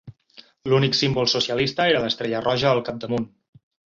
L'únic símbol socialista era l'estrella roja al capdamunt.